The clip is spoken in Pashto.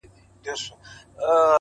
• که هر څومره لږه ونډه ور رسیږي ,